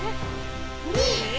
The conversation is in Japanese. ２！